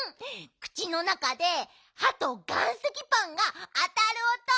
くちのなかではと岩石パンがあたるおと。